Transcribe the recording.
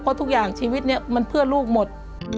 เพราะทุกอย่างชีวิตเนี่ยมันเพื่อลูกหมด